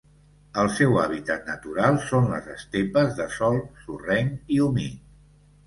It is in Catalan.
El seu hàbitat natural són les estepes de sòl sorrenc i humit.